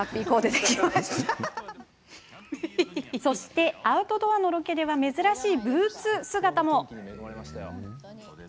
そして、アウトドアのロケでは珍しいブーツ姿も。